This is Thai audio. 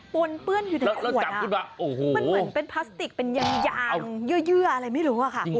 ปวนเปื้อนอยู่ในขวดน่ะมันเหมือนเป็นพลาสติกเป็นยางเยื่ออะไรไม่รู้ค่ะคุณ